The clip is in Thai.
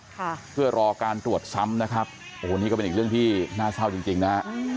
ค่ะเพื่อรอการตรวจซ้ำนะครับโอ้โหนี่ก็เป็นอีกเรื่องที่น่าเศร้าจริงจริงนะฮะ